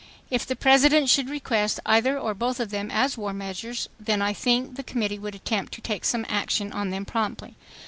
If the President should request either or both of them as war measures, then I think the Committee would attempt to take some action on them promptly.